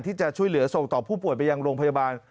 ที่จะช่วยเหลือส่งต่อผู้ป่วยไปยังโรงพยาบาล